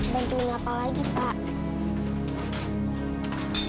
bantuin apa lagi pak